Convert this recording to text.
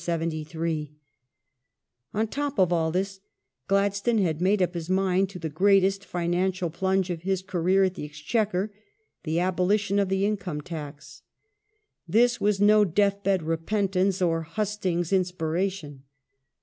On the top of all this Gladstone had made up his mind to the greatest financial plunge of his cai'eer at the Exchequer — the abolition of the income tax. This was no death bed repentance or hustings' in spiration.